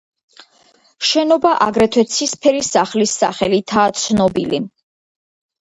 შენობა აგრეთვე „ცისფერი სახლის“ სახელითაა ცნობილი.